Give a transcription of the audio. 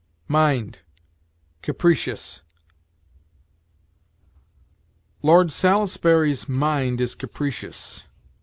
MIND CAPRICIOUS. "Lord Salisbury's mind is capricious."